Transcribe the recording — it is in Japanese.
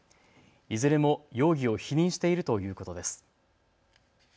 いずれも容疑を否認しているということです。